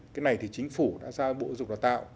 cái này thì chính phủ đã ra bộ ứng dụng đào tạo